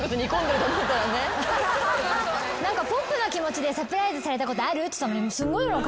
何かポップな気持ちで「サプライズされたことある？」っつったのに。